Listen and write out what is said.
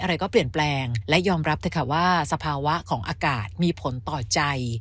อะไรก็เปลี่ยนแปลงและยอมรับเถอะค่ะว่าสภาวะของอากาศมีผลต่อใจ